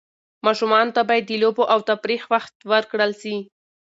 ماشومانو ته باید د لوبو او تفریح وخت ورکړل سي.